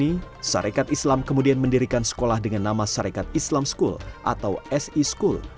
ini sarekat islam kemudian mendirikan sekolah dengan nama sarekat islam school atau si school